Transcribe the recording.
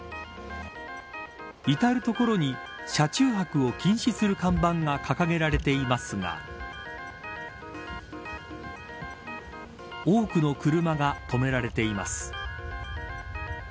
至る所に車中泊を禁止する看板が掲げられていますが多くの車が止められています。